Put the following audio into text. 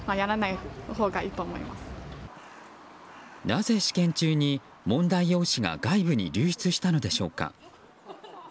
なぜ、試験中に問題用紙が外部に流出したのでしょうか。